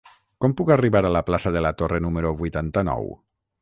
Com puc arribar a la plaça de la Torre número vuitanta-nou?